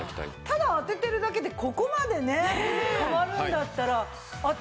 ただ当ててるだけでここまでね変わるんだったら当てますよね。